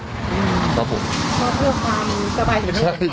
เพื่อความสบายของลูก